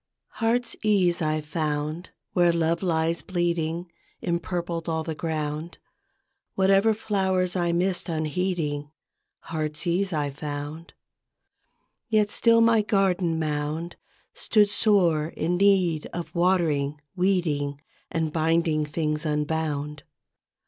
TTEARTSEASE I found, where Love lies bleeding Empurpled all the ground; Whatever flowers I missed unheeding, Heartsease I found. Yet still my garden mound Stood sore in need of watering, weeding, And binding things unbound.